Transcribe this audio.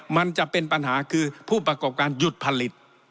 มันจะเป็นปัญหาคือผู้ประกอบการหยุดผลิต